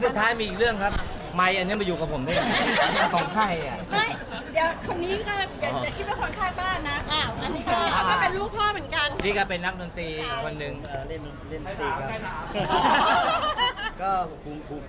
ต่อไปนี้เราก็คือจะสื่อสารการมงล์ความสุข